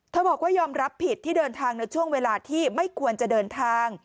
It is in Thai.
บอกว่ายอมรับผิดที่เดินทางในช่วงเวลาที่ไม่ควรจะเดินทาง